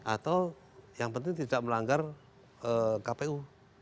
atau yang penting tidak melanggar kpu